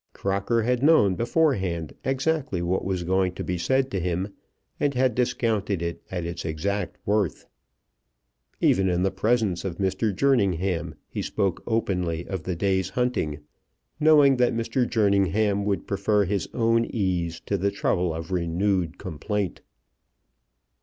Crocker had known beforehand exactly what was going to be said to him, and had discounted it at its exact worth. Even in the presence of Mr. Jerningham he spoke openly of the day's hunting, knowing that Mr. Jerningham would prefer his own ease to the trouble of renewed complaint.